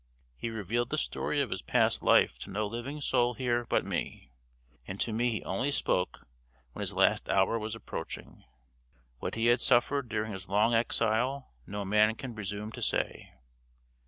He revealed the story of his past life to no living soul here but me, and to me he only spoke when his last hour was approaching. What he had suffered during his long exile no man can presume to say.